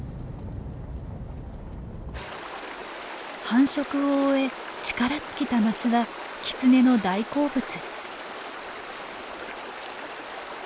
繁殖を終え力尽きたマスはキツネの大好物。